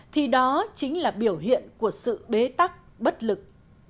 thì đó chính là biểu hiện của sự bế tắc bất lực